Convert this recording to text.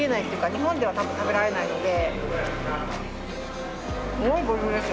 日本では多分食べられないので。